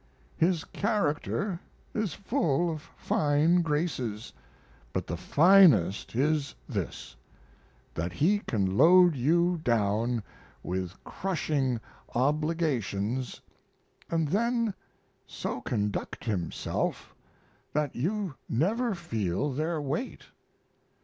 His character is full of fine graces, but the finest is this: that he can load you down with crushing obligations and then so conduct himself that you never feel their weight.